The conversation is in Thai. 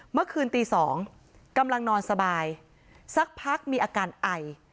เมื่อคืนตี๒กำลังนอนสบายสักพักมีอาการไอ